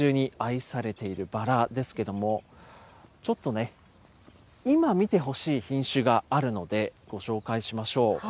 世界中に愛されているバラですけども、ちょっとね、今、見てほしい品種があるので、ご紹介しましょう。